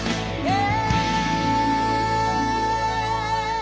え。